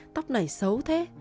tóc này xấu thế